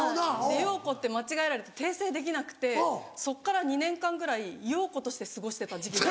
でようこって間違えられて訂正できなくてそっから２年間ぐらいようことして過ごしてた時期が。